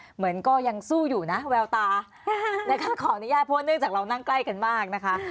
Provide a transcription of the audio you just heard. เหมือนก็ยังสู้อยู่นะแววตานะคะขออนุญาตเพราะว่าเนื่องจากเรานั่งใกล้กันมากนะคะ